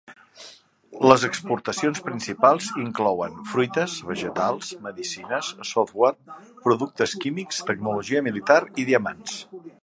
Les exportacions principals inclouen fruites, vegetals, medicines, software, productes químics, tecnologia militar i diamants.